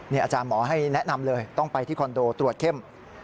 อาจารย์หมอให้แนะนำเลยต้องไปที่คอนโดตรวจเข้ม